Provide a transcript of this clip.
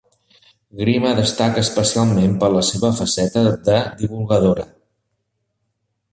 Grima destaca especialment per la seva faceta de divulgadora.